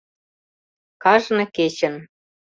— Кажне кечын...